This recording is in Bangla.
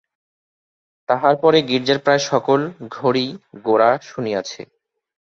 তাহার পরে গির্জার প্রায় সকল ঘড়িই গোরা শুনিয়াছে।